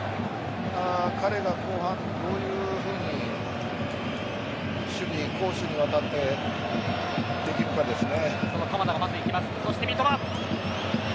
彼が後半、どういうふうに攻守にわたってできるかですね。